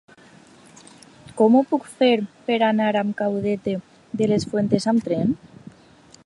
Com ho puc fer per anar a Caudete de las Fuentes amb tren?